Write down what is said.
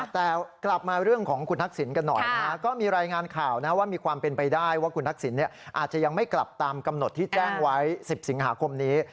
แต่กลับมาเรื่องของคุณทักษิณกันหน่อยนะฮะก็มีรายงานข่าวนะว่ามีความเป็นไปได้ว่าคุณทักษิณอาจจะยังไม่กลับตามกำหนดที่แจ้งไว้๑๐สิงหาคมนี้